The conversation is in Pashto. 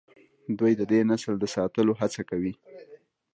دوی د دې نسل د ساتلو هڅه کوي.